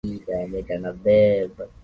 Mama yangu ni mrembo.